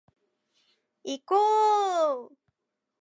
いこーーーーーーぉ